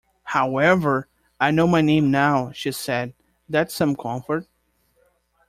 ‘However, I know my name now.’ she said, ‘that’s some comfort’.